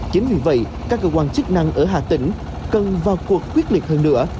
chính vì vậy các cơ quan chức năng ở hà tĩnh cần vào cuộc quyết liệt hơn nữa